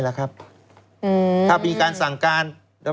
ถ้ามีการสั่งการ